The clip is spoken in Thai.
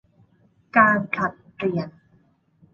การผลัดเปลี่ยน